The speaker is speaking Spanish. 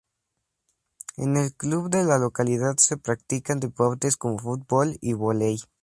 En el club de la localidad se practican deportes como fútbol y vóley.